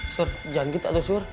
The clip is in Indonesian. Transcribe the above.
sur jangan gitu atu sur